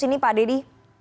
ini pak dedy